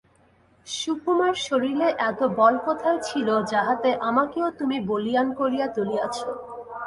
সুকুমার শরীরে এত বল কোথায় ছিল যাহাতে আমাকেও তুমি বলীয়ান করিয়া তুলিয়াছ?